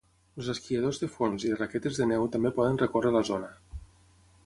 Els esquiadors de fons i de raquetes de neu també poden recórrer la zona.